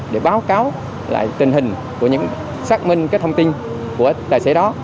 để báo cáo lại tình hình của những xác minh cái thông tin của tài xế đó